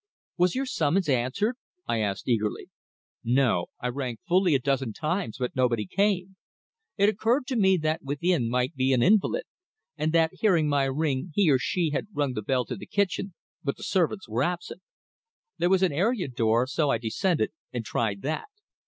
"Was your summons answered?" I asked eagerly. "No. I rang fully a dozen times, but nobody came. It occurred to me that within might be an invalid, and that, hearing my ring, he or she had rung the bell to the kitchen, but the servants were absent. There was an area door, so I descended, and tried that.